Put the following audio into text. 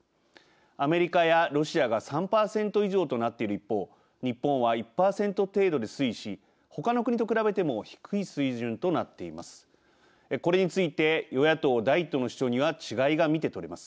アメリカやロシアが３％以上となっている一方日本は１％程度で推移しほかの国と比べても低い水準となっています。